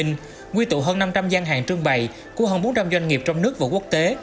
nguyên tụ hơn năm trăm linh gian hàng trương bày của hơn bốn trăm linh doanh nghiệp trong nước và quốc tế